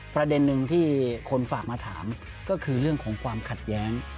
ประเด็นหนึ่งที่คนฝากมาถามก็คือเรื่องของความขัดแย้ง